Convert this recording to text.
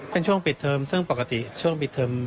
เป็นช่วงปิดเทอมซึ่งปกติช่วงปิดเทอม